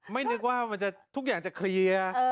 ไม่นึกว่าทุกอย่างจะเคลียร์